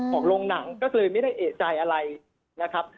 ตอนนี้ยังไม่ได้นะครับ